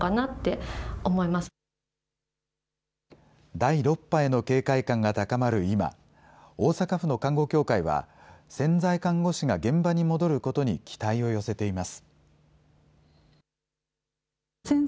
第６波への警戒感が高まる今、大阪府の看護協会は、潜在看護師が現場に戻ることに期待を寄せています。